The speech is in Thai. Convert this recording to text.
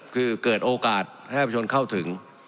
คือเกิดโอกาสให้ประชนเข้าถึง